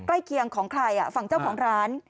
เคียงของใครฝั่งเจ้าของร้าน